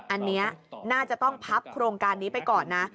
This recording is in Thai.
อันนี้น่าจะต้องพับโครงการนี้ไปก่อนนะ